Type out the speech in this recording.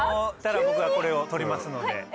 僕がこれを取りますので。